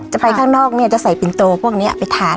ไปข้างนอกเนี่ยจะใส่ปินโตพวกนี้ไปทาน